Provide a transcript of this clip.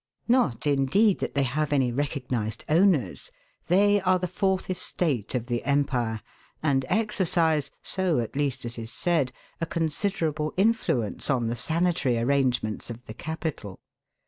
Not indeed that they have any recognised owners ; they are the fourth estate of the empire, and exercise, so at least it is DOGS OF CONSTANTINOPLE. 247 said, a considerable influence on the sanitary arrangements of the capital.